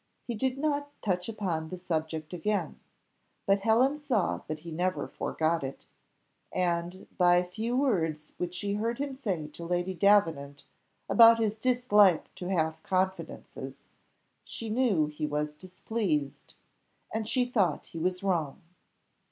He did not touch upon the subject again, but Helen saw that he never forgot it; and, by few words which she heard him say to Lady Davenant about his dislike to half confidences, she knew he was displeased, and she thought he was wrong.